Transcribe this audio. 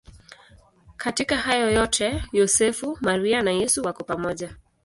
Katika hayo yote Yosefu, Maria na Yesu wako pamoja.